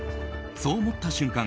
そう思った瞬間